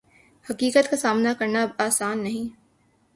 حقیقت کا سامنا کرنا اب آسان نہیں